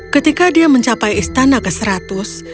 ketika dia mencapai istana ke seratus